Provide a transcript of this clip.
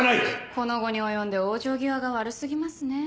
この期に及んで往生際が悪過ぎますね。